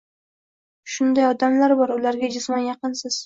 Shunday odamlar bor: ularga jisman yaqinsiz